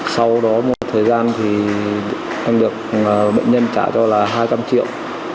sau đó một thời gian thì em được bệnh nhân trả cho là hai trăm linh triệu